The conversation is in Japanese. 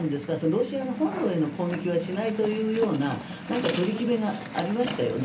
ロシアの本土への攻撃はしないというような取り決めがありましたよね。